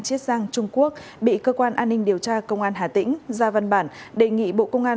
chiết giang trung quốc bị cơ quan an ninh điều tra công an hà tĩnh ra văn bản đề nghị bộ công an